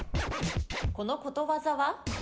このことわざは？